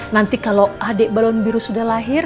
nanti kalau adik balon biru sudah lahir